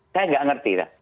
saya tidak mengerti